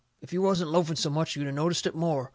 If you wasn't loafing so much you'd a noticed it more.